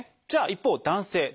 じゃあ一方男性。